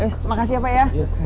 eh makasih pak ya